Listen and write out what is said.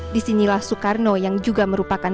disinilah soekarno yang juga merupakan